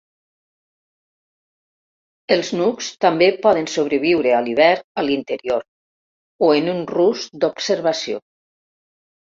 Els nucs també poden sobreviure a l'hivern a l'interior, o en un rusc d'observació.